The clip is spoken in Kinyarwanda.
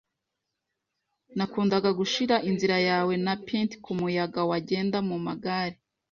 Nakunda gushira inzira yawe, na p'int kumuyaga, wagenda mumagare,